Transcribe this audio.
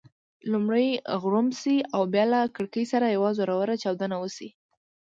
لومړی غړومب شي او بیا له کړېکې سره یوه زوروره چاودنه وشي.